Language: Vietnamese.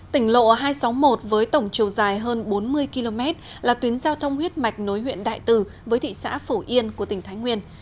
tỉnh lộ hai trăm sáu mươi một với tổng chiều dài hơn bốn mươi km là tuyến giao thông huyết mạch nối huyện đại từ với thị xã phổ yên của tỉnh thái nguyên